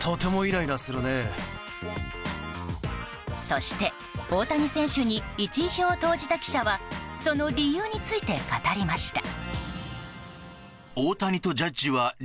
そして、大谷選手に１位票を投じた記者はその理由について語りました。